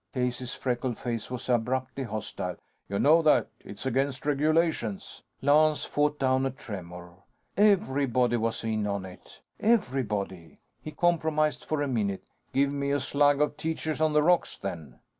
Casey's freckled face was abruptly hostile. "You know that. It's against regulations." Lance fought down a tremor. Everybody was in on it. Everybody. He compromised for a minute: "Give me a slug of Teacher's on the rocks, then."